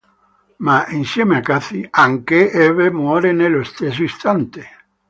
Ma, insieme a Kathy, anche Eve muore nello stesso istante.